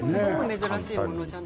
珍しいものじゃない。